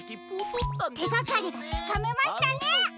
てがかりがつかめましたね！